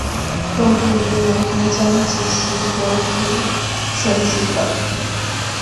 分布于南盘江及其所属水体等。